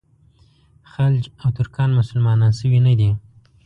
خلج او ترکان مسلمانان شوي نه دي.